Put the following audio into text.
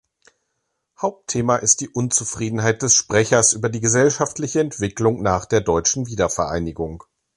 Hauptthema ist die Unzufriedenheit des Sprechers über die gesellschaftliche Entwicklung nach der deutschen Wiedervereinigung.